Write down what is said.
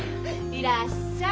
いらっしゃい。